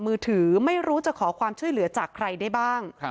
มือถือไม่รู้จะขอความช่วยเหลือจากใครได้บ้าง